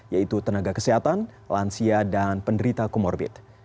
yaitu tenaga kesehatan lansia dan penderita comorbid